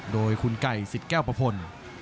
โดยคุณไก่สิดแก้วปะพล